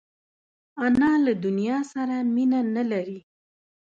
انا له دنیا سره مینه نه لري